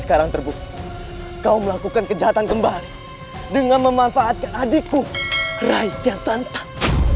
sekarang terbukti kau melakukan kejahatan kembali dengan memanfaatkan adikku raja santap